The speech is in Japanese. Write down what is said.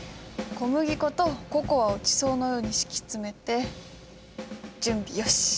小麦粉とココアを地層のように敷き詰めて準備よし！